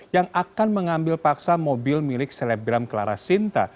yang akan mengambil paksa mobil milik selebgram clara sinta